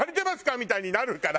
みたいになるから。